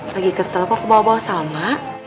lagi kesel kok bawa bawa salma